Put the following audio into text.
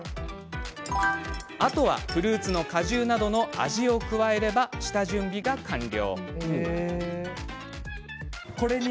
あとはフルーツの果汁など味を加えれば下準備が完了。